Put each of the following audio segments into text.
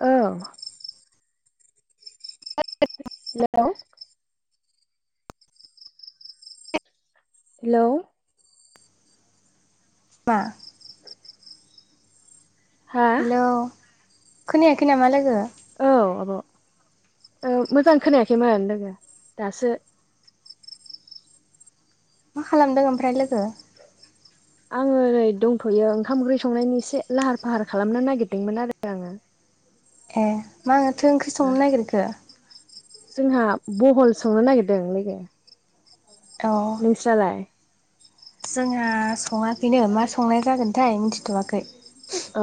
औ hello hello मा? हा हेलौ खोनायाखै नामा लोगो। औ आब' मोजां खोनायाखैमोन लोगो दासो मा खालामदों ओमफ्राय लोगो? आङो ओरै दंथ'यो ओंखाम ओंख्रि संनायनि एसे लाहार फाहार खालामनो नागिरदोंमोन आरो आङो ए माथो ओंख्रि ओ संनो नागिरखो? जोंहा बहल संनो नागिरदों लोगो। औ नोंस्रालाय? जोंहा सङाखैनो मा संनाय जागोनथाय मिथिथ'वाखै। अ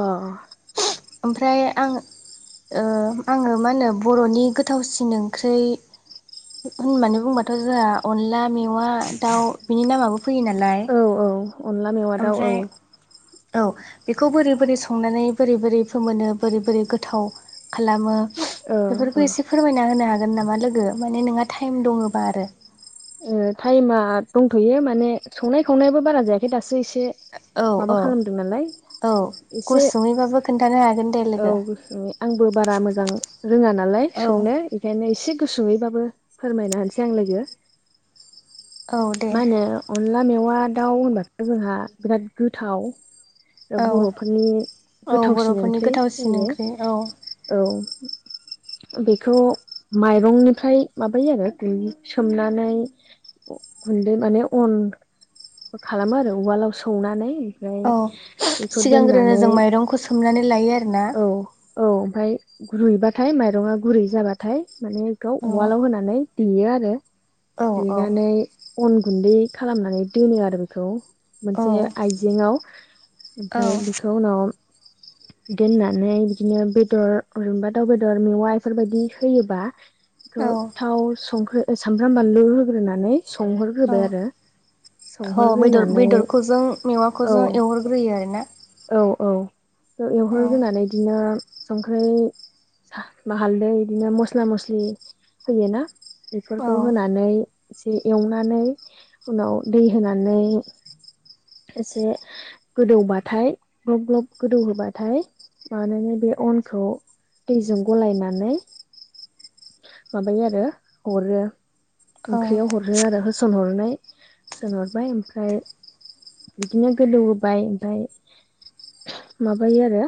ओमफ्राय आं ओ आङो मा होनो बर'नि गोथावसिन ओंख्रै होननानै बुंबाथ' जोंहा अनला मेवा दाउ बिनि नामाबो फैयो नालाय औ औ अनला मेवा दाउ औ ओमफ्राय औ बेखौ बोरै बोरै संनानै बोरै बोरै फोमोनो बोरै बोरै गोथाव खालामो औ बेफोरखौ औ एसे फोरमायना होनो हागोन नामा लोगो? माने नोंहा टाइम दङबा आरो ओ टाइमा दंथ'यो माने संनाय खावनायाबो बारा जायाखै दासो एसे औ माबा औ खालामदों नालाय औ एसे गुसुङैबाबो खोन्थानो हागोन। दे औ लोगो गोसो आंबो बारा मोजां रोङा नालाय औ संनो बेखायनो एसे गुसुङैबाबो फोरमायना होनोसै आं लोगो औ दे मा होनो अनला मेवा दाउ होनबाथ' जोंहा बिराद गोथाव औ बर'फोरनि औ गोथावसिन बर'फोरनि ओंख्रि गोथावसिन बेयो। ओंख्रि औ औ बेखौ माइरंनिफ्राय माबायो आरो उम सोमनानै गुन्दै माने अन खालामो आरो उवालाव सौनानै ओमफ्राय औ बेखौ दोननानै सुमनानै लायो आरो ना औ, औ ओमफ्राय रुइबाथाय माइरंआ गुरै जाबाथाय थाय माने बेयाव औ उवालाव होनानै देयो आरो, औ औ देनानै अन गुन्दै खालामनानै दोनो आरो बेखौ औ मोनसे आइजेंआव औ ओमफ्राय बेखौ उनाव दोननानै बिदिनो बेदर जरेनबा दाउ बेदर मेवा बेफोरबायदि होयोबा औ थाव संख्रि सामब्राम बानलु होग्रोनानै सोंहो औ औदर बेदरखौ ज मेवाखौ औ ज एवहरग्रोयो आरोना औ औ औ एवहरग्रोनानै बिदिनो संख्रै हालदै बिदिनो मस्ला मस्लि होयोना बेफोरखौ औ होनानै एसे एवनानै उनाव दै होनानै एसे गोदौबाथाय ग्लब ग्लब गोदौ होबाथाय मानोने बे अनखौ दैजों गलायनानै माबायो आरो हरो औ ओंख्रियाव हरो आरो होसनहरनाय होसनहरबाय ओमफ्राय बिदिनो गोदौ होबाय ओमफ्राय माबायो आरो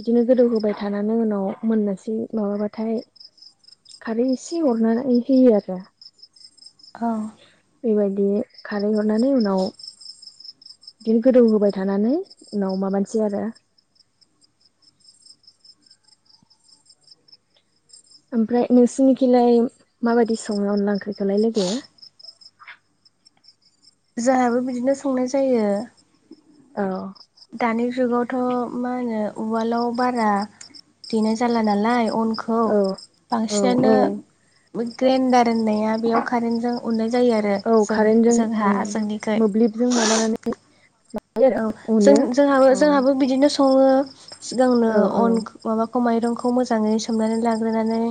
बिदिनो गोदौ होबाय थानानै उनाव मोननोसै माबाबाथाय खारै इसे हरनानै होयो आरो औ बेबायदि खारै हरनानै उनाव बिदिनो गोदौ होबाय थानानै उनाव माबानिसै आरो ओमफ्राय नोंसिनिखिलाय माबायदि संनाय अनला ओंख्रिखौलाय लोगो जोंहाबो बिदिनो संनाय जायो औ दानि जुगावथ' मा होनो उवालाव बारा देनाय जाला नालाय अनखौ औ औ औ बांसिनानो ग्रेन्डार होननाया बेयाव कारेन्टजों उननाय जायो आरो औ जों कारेन्टजों उम जोंहा जोंनिखै मोब्लिबजों माबानानै लायो औ आरो जों अनो जोंहाबो औ जोंहाबो बिदिनो सङो सिगांनो औ औ अन माबाखौ माइरंखौ मोजाङै सोमनानै लाग्रोनानै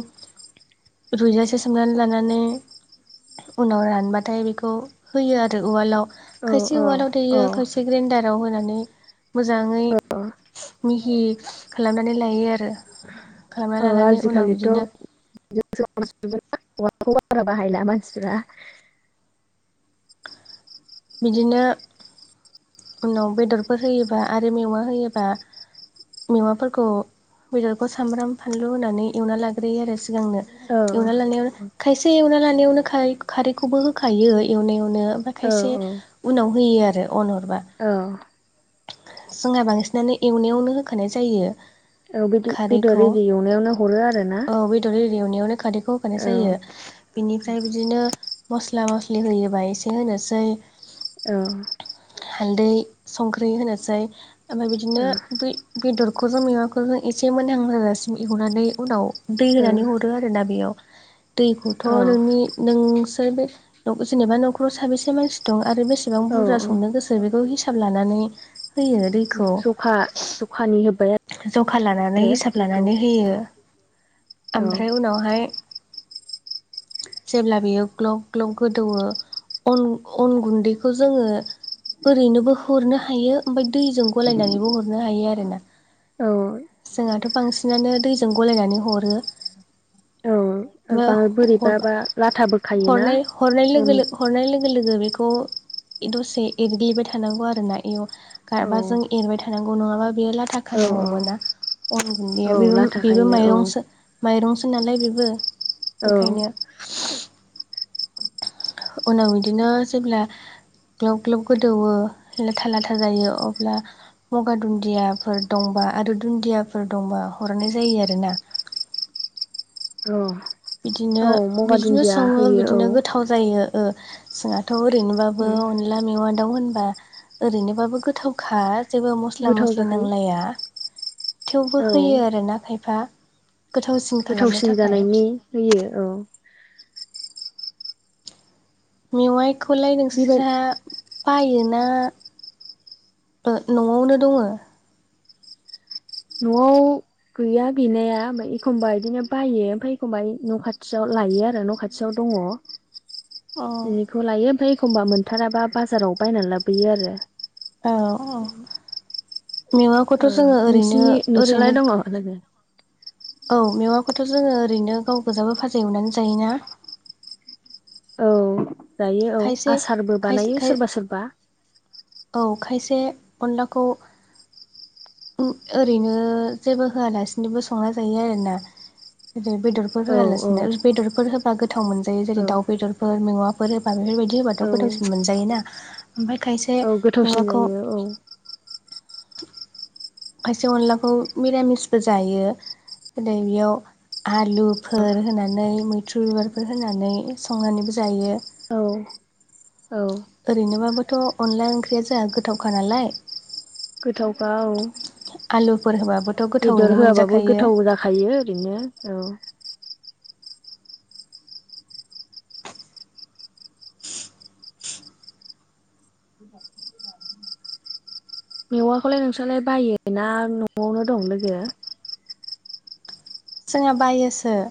रुजासे सोमनानै लानानै उनाव रानबाथाय बेखौ होयो आरो उवालाव औ खायसे उवालाव औ देयो खायसे ग्रेन्डाराव होनानै मोजाङै मिहि खालामनानै लायो आरो औ खालामना लानानै उनाव आजिखालिथ' बिदिनो [unintelligible] बाहायला मानसिफ्रा बिदिनो उनाव बेदरफोर होयोबा आरो मेवा होयोबा मेवाफोरखौ बेदरखौ सामब्राम फानलु होनानै एवना लाग्रोयो आरो सिगांनो औ एवना लानायावनो खायसे एवना लानायावनो खै खारैखौबो होखायो एवनायावनो ओमफ्राय औ खायसे औ उनाव होयो आरो अन हरबा औ जोंहा बांसिनानो एवनायावनो होखानाय जायो औ बिदि भिदअ खारैखौ रेडि एवनायावनो हरो आरो ना औ बेदर ए एवनायावनो खारदैखौ होखानाय जायो बिनिफ्राय बिदिनो मस्ला मस्लि होयोबा एसे होनोसै औ हालदै संख्रि होनोसै ओमफ्राय बिदिनो बै बेदरखौ ज मैमाखौजों एसे मोजहां जाजासिम एवनानै उनाव दै होनानै हरो आरोना बेयाव दैखौथ' औ नोंनि नोंसोर बे जेनेबा न'खराव साबेसे मानसि दं आरो बेसेबां औ बुरजा संनो गोसो बेखौ हिसाब लानानै होयो दैखौ जखा जखानि होबाय जखा लानानै आरो हिसाब दैखौ लानानै होयो । औ ओमफ्राय उनावहाय जेब्ला बियो ग्लग ग्लग गोदौवो अन अन गुन्दैखौ जोङो ओरैनोबो हरनो हायो ओमफाय दैजों गलायनानैबो हरनो हायो आरोना औ । जोंहाथ' बांसिनानो दैजों गलायनानै हरो । औ ओ हर बोरैबाबा लाथाबो खायोना हनाय-हरनाय अन लोगो लो हरनाय लोगो लोगो बेखौ दसे एरग्लिबाय थानांगौ आरोना एव औ गारबाजों एरबाय थानांगौ नङाबा बेयो लाथा औ खानांगौ औ मोना अन औ गुन्दैया लाथा बेबो-बेबो खायो औ माइरंसो माइरंसो नालाय बेबो औ बेखायनो उनाव बिदिनो जेब्ला ग्लब ग्लब गोदौवो लाथा लाथा जायो अब्ला मगा दुन्दियाफोर दंबा आरो दुन्दियाफोर दंबा हरनाय जायो आरो ना । औ । बिदिनो बिदिनो सङो बिदिनो औ गोथाव जायो ओ जोंहाथ' ओरैनोबाबो उम अनला मेवा दाउ होनबा ओरैनोबाबो गोथावखा । जेबो मस्ला गोथाव मस्लि जाखायो नांलाया थेवबो औ होयो आरोना खायफा । गोथावसिन खालामनो थाखाय । होयो औ । मेवाइखौलाय बेबाय नोंसोरहा बायोना ओ न'आवनो ओ दङो? न'आव गैया गैनाया ओम्फाय एखमबा बिदिनो बायो ओमफाय एखमबा न' खाथियाव लायो आरो न' खा थियाव दङ अ । एनिखौ लायो ओम्फाय एखमबा मोनथाराबा बाजाराव बायना लाबोयो आरो औ औ । [unintelligible] मेवाखौथ' ओ जोङो ओरैनो नोंसिनि ओरैनो नोंसालाय दङ लोगो? औ मेवाखोथ' जोङो ओरैनो गाव गोजाबो भाजा एवनानै जायोना । औ जायो औ खायसे आसारबो खायसे बानायो खाय सोरबा सोरबा । औ खायसे अनलाखौ उ ओरैनो जेबो होआलासिनोबो संना जायो आरोना [unintelligible] बेदर फोर औ औ होआलासिनो बेदरफोर होबा गोथाव मोनजायो जेरै औ दाउ बेदरफोर मेवा फोर होबा बेफोरबायदि होबाथ' औ गोथावसिन मोनजायोना ओमफाय खायसे औ गोथावसिन मेवाखो जायो औ । खायसे अनलाखौ मिरामिसबो जायो जेरै बेयाव आलु फोर होनानै मैथ्रु बिबारफोर होनानै संनानैबो जायो । औ । औ । ओरैनोबाबोथ' अनला ओंख्रिया जाहा गोथावखा नालाय । गोथावखा औ । आलुफोर होबाबो बेदर होआबाबो गोथाव जाखायो ओरैनो औ । [inaudible] मेवाखौलाय नोंस्रालाय बायोना न'आवनो दं लोगो? जोंहा बायोसो ।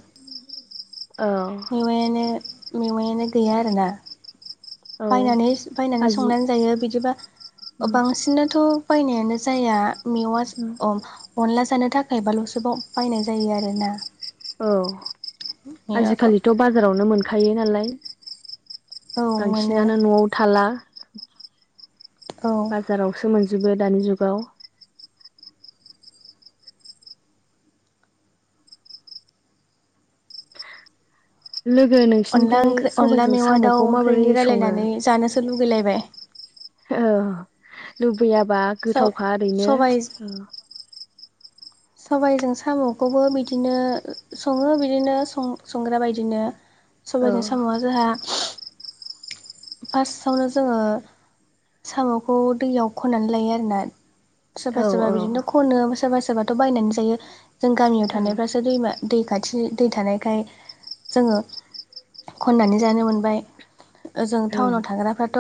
अ । मेवायानो मेवायानो गैया आरोना । औ बायनानै बायनानै आजि संनानै जायो बिदिबा ओ बांसिनोथ' बायनायानो जाया मेवाजो अम अनला जानो थाखाय बाल'सोबाव बायनाय जायो आरो ना । ओ मेवाखौ आजिखालिथ' बाजारावनो मोनखायो नालाय औ । मोनो बांसिनानो न'आव थाला । औ बाजारावसो मोनजोबो दानि जुगाव लोगो नों अनला ओंख्रि अनला मेवा दाउ ओंख्रिनि सङो रायलायनानै जानोसो लुगैलायबाय । औ लुबैयाबा सब गोथावखा ओरैनो सबाय । सबायजों साम'खौबो बिदिनो सङो बिदिनो संग्रा बायदिनो औ सबायाइनि साम'आ जोंहा फार्स्टआवनो जोङो साम'खौ दैयाव खननानै लायो आरोना सोरबा औ सोरबा बिदिनो औ खनो सोरबा सोरबाथ' बायनानै जायो जों गामियाव औ थानायफ्रासो दैमा दै खाथिनि दै थानायखाय जोङो खननानै जानो मोनबाय ओजों औ टाउनाव थाग्राफ्राथ'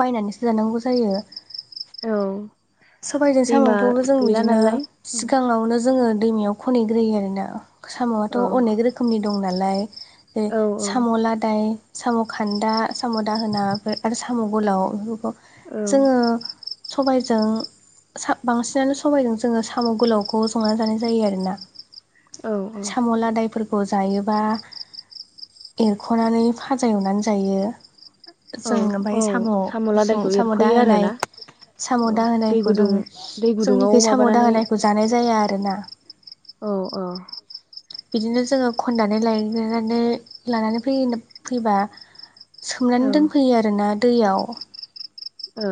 बायनानैसो जानांगौ जायो औ सबबायजों दैमा साम'खौबो जों गैला बिदिनो नालाय सिगाङावनो जोङो दैमायाव खनग्रोयो आरोना साम'आथ' औ अनेक रोखोमनि दं नालाय औ साम' लादाय साम' खान्दा साम' दाहोना बेफोर आरो साम' गोलाव बेफोरखौ औ जोङो सबायजों बांसिनानो समायदों जोङो साम' गोलावखौ संना जानाय जायो आरोोना औ साम' लादायफोरखौ जायोबा एरख'नानै फाजा एवनानै जायो औ जों औ ओमफफ्राय साम' गुसुं लादायखौ साम' एरख'यो दाहोनाय आरोना साम' औ द दै होनोनायखौ गुदुं जोङो दै गुदुङाव जोंनिखि साम' द माबानानै होनोनायखौ जानाय जाया आरोना अ अ बिदिनो जोङो खननानै लायनानै लानानै फै फैबा औ सोमनानै दोनफैयो आरोना दैयाव औ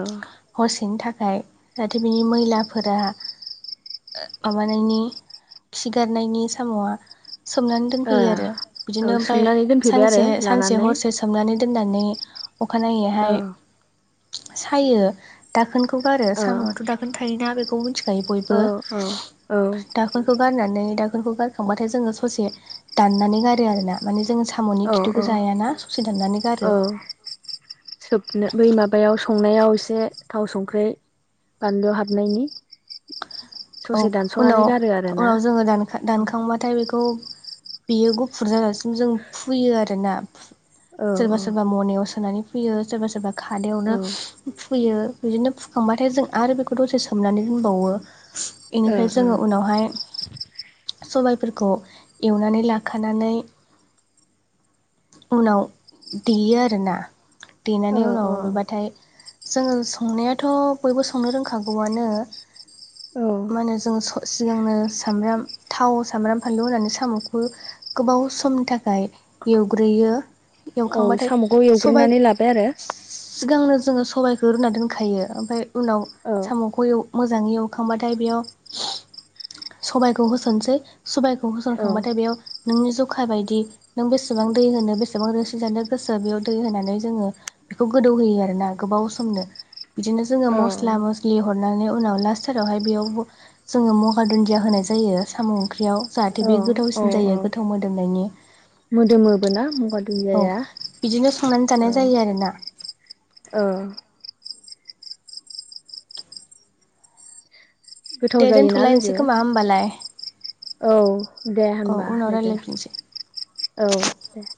हरसेनि थाखाय जाहाथे बिनि मैलाफोरा माबानायनि खिगारनायनि साम'आ सोमनानै ओ दोनफैयो आरो औ बिदिनो ओमफफ्राय सोमनानै दोनफैबाय आरो सानसे सानसे लानानै हरसे सोमनानै दोननानै औ अखानायैहाय सायो दाखोनखौ गारो औ साम'आथ' दाखोन थायोना बेखौ मिथि ज बयबो औ दा औ दखौ गारनानै दाखोरखौ गारखांबाथाय जोङो ससे दनानै गारो आरोोना म ज साम'नि औ औ खिथुखौ जायाना ससे दाननानै गारो औ सोबनो बै माबायाव संनायाव एसे थाव संख्रि बानद हाद ननायनि औ उनाव आरोना उनाव जोङो दानो औ दानखांबाथाय बेखौ बेयो गुफुर जाजासिम जों फुयो आर ना औ सोरबा औ सोरबा मनायाव सोनानै फैयो सोरबा सोरबा औ ओ खादायावनो फुयो बिदिनो फुखांबाथाय जों आरो बेखौ दसे सोमनानै दोनबावो बेनिफ्राय जोङो उनावहाय सबायफोरखौ एवनानै लाखानानै उनाव देयो आरोना औ देनानै उनावबाथाय जोङो संनायाथ' बयबो संनो रोंखागौआनो अ मा जों सिगांनो सामब्राम थाव सामबाम फानलु होनानै साम'खौ गोबाव समनि थाखाय एवग्रोयो औ एवखांबाथाय साम'खौ सबबाय एवग्रोनानै लाबाय आरो सिगांनो जोङो सबायखौ रुना दोनखायो ओमफ्राय उनाव साम' ख मोजाङै एवखांबाथाय बेयाव सबायखौ होसनसै सबायखौ औ होसनखांबाथाय बेयाव नोंनि जखा बायदि नों बेसेबां दै होनो बेसेबां रोसि जानो गोसो बेयाव दै होनानै जोङो बेखौ गोदौ होयो आरो ना गोबाव सम बिदिनो जोङो औ मस्ला मस्लि हरनानै उनाव लास्त थारावहाय बेयाव जों मगा दुन्दिया होनाय जायो साम' ओंख्रियाव, जाहाथे औ बे औ गोथावसिन औ जायो गोथाव मोदोमनायनि। मोदोमोबो ना मगा औ बिदिनो संनानै जानाय जायो आरोना। ओ। गोथाव दे जायोना दोनथ'लायनोसै लोगो खोमा होमबालाय औ दे औ होनबा उनाव लोगो रायज्लायफिनसै औ दे